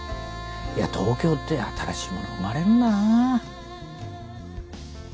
いや東京って新しいものが生まれるんだな。